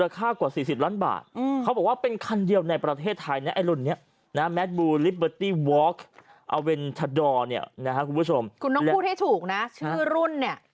คุณผู้ชมต้องพูดให้ถูกนะชื่อรุ่นเนี่ย